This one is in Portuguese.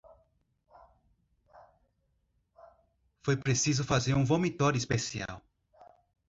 foi preciso fazer um vomitório especial